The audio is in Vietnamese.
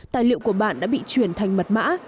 tài liệu của bạn đã bị chuyển thành mật mã